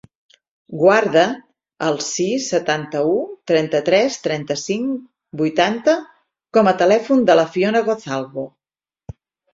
Guarda el sis, setanta-u, trenta-tres, trenta-cinc, vuitanta com a telèfon de la Fiona Gozalbo.